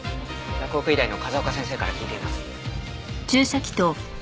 洛北医大の風丘先生から聞いています。